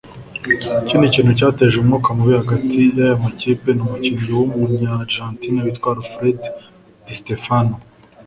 Ikindi kintu cyateje umwuka mubi hagati y’aya makipe n’umukinnyi w’umunya Argentina witwa Alfred di Stefano